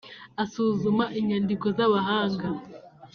asuzuma inyandiko z’abahanga